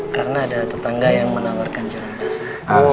karena ada tetangga yang menawarkan jualan bahasa